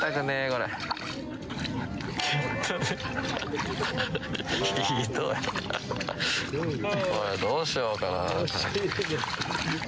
これ、どうしようかな。